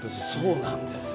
そうなんですね。